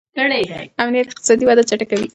امنیت اقتصادي وده چټکوي.